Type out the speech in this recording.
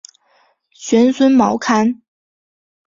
玄孙毛堪。